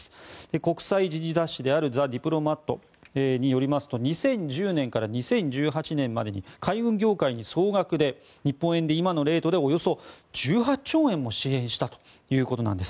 国際時事雑誌である「ザ・ディプロマット」によりますと２０１０年から２０１８年までに海運業界に総額で、日本円で今のレートで１８兆円も支援したということなんです。